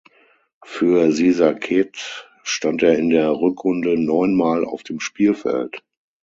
Für Sisaket stand er in der Rückrunde neunmal auf dem Spielfeld.